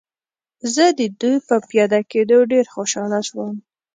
زه د دوی په پیاده کېدو ډېر خوشحاله شوم.